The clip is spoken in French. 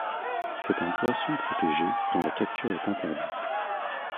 C'est un poisson protégé, dont la capture est interdite.